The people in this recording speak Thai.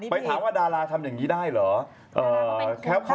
ไปถามว่าดาราทำอย่างนี้ได้เหรอ